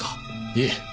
いえ。